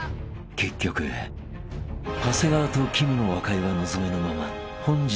［結局長谷川ときむの和解は望めぬまま本日も］